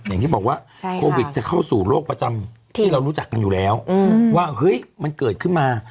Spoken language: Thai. อย่างที่บอกว่าโควิดจะเข้าสู่โรคประจำที่เรารู้จักกันอยู่แล้วว่าเฮ้ยมันเกิดขึ้นมา